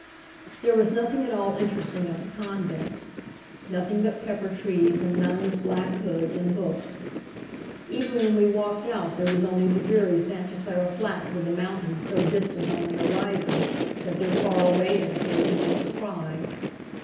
There was nothing at all interesting at the convent, nothing but pepper trees, and nun's black hoods, and books. Even when we walked out there were only the dreary Santa Clara flats with the mountains so distant on the horizon that their far awayness made me want to cry.